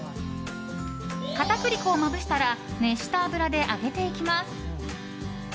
片栗粉をまぶしたら熱した油で揚げていきます。